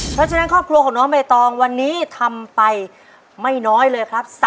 เพราะฉะนั้นครอบครัวของน้องใบตองวันนี้ทำไปไม่น้อยเลยครับ